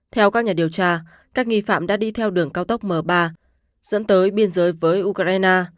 theo các nhà điều tra các nghi phạm đã đi theo đường cao tốc m ba dẫn tới biên giới với ukraine